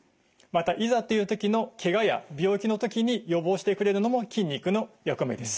またいざっていう時のけがや病気の時に予防してくれるのも筋肉の役目です。